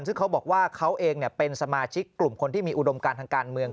ซึ่งเขาบอกว่าเขาเองเป็นสมาชิกกลุ่มคนที่มีอุดมการทางการเมือง